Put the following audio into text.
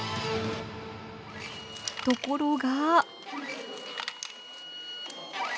ところが。